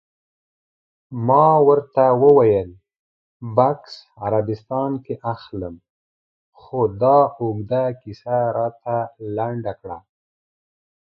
ما ورته وویل: بکس عربستان کې اخلم، خو دا اوږده کیسه راته لنډه کړه.